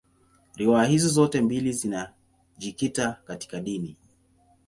Riwaya hizi zote mbili zinajikita katika dini.